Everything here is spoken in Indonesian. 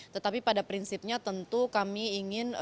tetapi pada prinsipnya tentu kami ingin